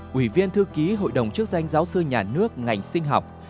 quỷ viên thư ký hội đồng chức danh giáo sư nhà nước ngành sinh học